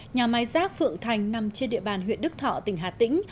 nhà máy rác phượng thành nằm trên địa bàn huyện đức thọ tỉnh hà tĩnh